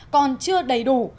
còn chưa đầy đủ